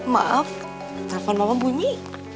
maaf telepon mama bunyi